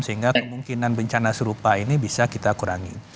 sehingga kemungkinan bencana serupa ini bisa kita kurangi